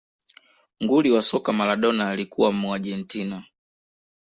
nguli wa soka maladona alikuwa muargentina